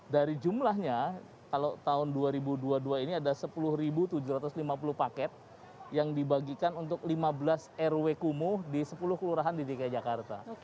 dari jumlahnya kalau tahun dua ribu dua puluh dua ini ada sepuluh tujuh ratus lima puluh paket yang dibagikan untuk lima belas rw kumuh di sepuluh kelurahan di dki jakarta